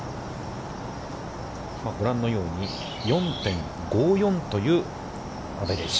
ご覧のように、４．５４というアベレージ。